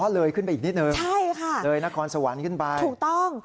อ๋อเลยขึ้นไปอีกนิดนึงเลยนครสวรรค์ขึ้นไปใช่ค่ะถูกต้อง